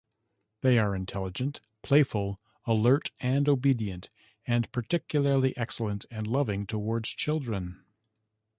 They are intelligent, playful, alert, and obedient, and particularly excellent and loving toward children.